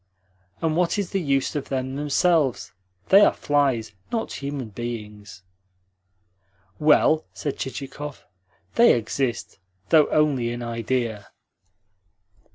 And what is the use of them themselves? They are flies, not human beings." "Well," said Chichikov, "they exist, though only in idea."